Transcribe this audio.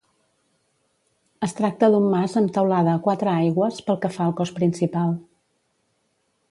Es tracta d'un mas amb teulada a quatre aigües pel que fa al cos principal.